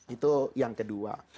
itu yang kedua